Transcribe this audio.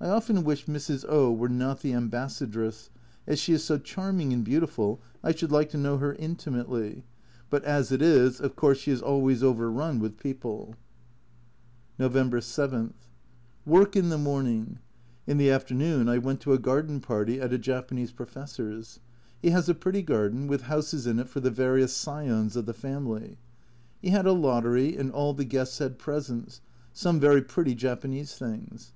I often wish Mrs. O were not the Ambassadress, as she is so charming and beautiful, I should like to know her intimately, but as it is, of course she is always overrun with people. 2 32 A Journal from Japan November 7. Work in the morning. In the afternoon I went to a garden party at a Japanese Professor's. He has a pretty garden, with houses in it for the various scions of the family. He had a lottery and all the guests had presents, some very pretty Japanese things.